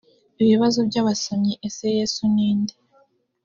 ibibazo by abasomyi ese yesu ni nde